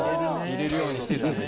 入れるようにしてるんです。